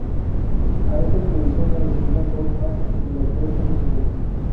A esta expedición le siguieron dos más en los dos años siguientes.